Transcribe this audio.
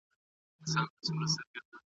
ادب انسان ته نرمي ور زده کوي.